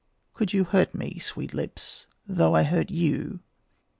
Could you hurt me, sweet lips, though I hurt you?